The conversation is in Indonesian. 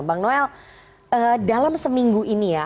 bang noel dalam seminggu ini ya